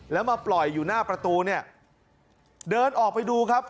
แล้วมาปล่อยอยู่หน้าประตูเนี่ยเดินออกไปดูครับ